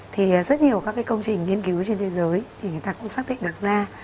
thì rất nhiều các cái công trình nghiên cứu trên thế giới thì người ta cũng xác định đặt ra